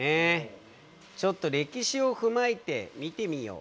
ちょっと歴史を踏まえて見てみよう。